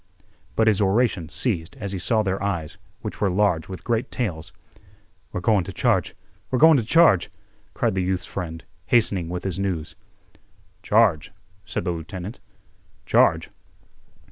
But his oration ceased as he saw their eyes, which were large with great tales. "We're goin' t' charge—we're goin' t' charge!" cried the youth's friend, hastening with his news. "Charge?" said the lieutenant. "Charge?